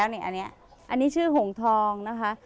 อันนี้ชื่าหงทองนะคะ